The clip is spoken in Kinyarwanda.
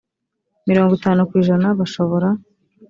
mirongo itanu ku ijana bashobora